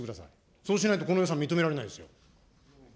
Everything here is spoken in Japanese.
そうしないとこの予算、認められないですよ。